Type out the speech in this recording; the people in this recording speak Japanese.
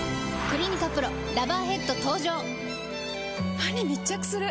歯に密着する！